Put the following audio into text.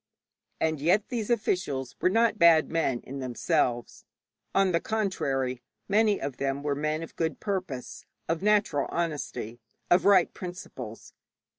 And yet these officials were not bad men in themselves; on the contrary, many of them were men of good purpose, of natural honesty, of right principles.